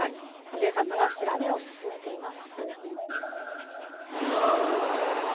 警察が調べを進めています。